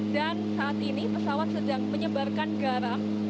dan saat ini pesawat sedang menyebarkan garam